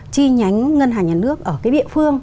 chi nhánh ngân hàng nhà nước ở cái địa phương